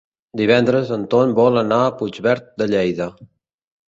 Divendres en Ton vol anar a Puigverd de Lleida.